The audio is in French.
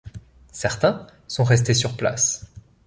Certains sont restés sur place.